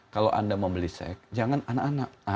kalau anda membeli seks jangan anak anak